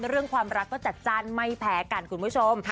เรื่องความรักก็จัดจ้านไม่แพ้กันคุณผู้ชม